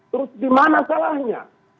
terus di mana salahnya